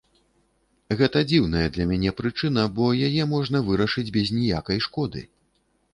Гэта дзіўная для мяне прычына, бо яе можна вырашыць без ніякай шкоды.